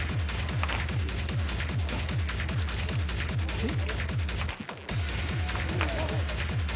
えっ？